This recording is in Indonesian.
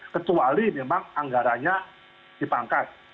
kecuali memang anggaranya dipangkat